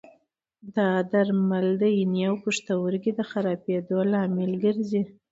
دا درمل د ینې او پښتورګي د خرابېدو لامل هم ګرځي.